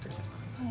はい。